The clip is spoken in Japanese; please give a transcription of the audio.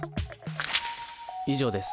以上です。